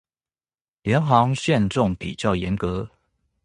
廉航限重比較嚴格